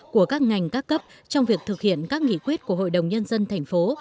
của các ngành các cấp trong việc thực hiện các nghị quyết của hội đồng nhân dân thành phố